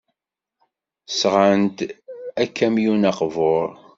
Sɣant-d akamyun aqbur.